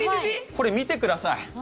これ、見てください。